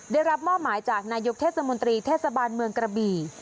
ได้รับมอบหมายจากนายกเทศมนตรีเทศบาลเมืองกระบี่